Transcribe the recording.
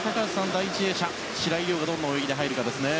第１泳者の白井璃緒がどんな泳ぎで入るかですね。